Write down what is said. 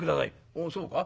「おおそうか。